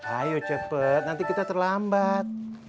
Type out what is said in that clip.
ayo cepat nanti kita terlambat